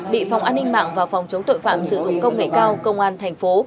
bị phòng an ninh mạng và phòng chống tội phạm sử dụng công nghệ cao công an thành phố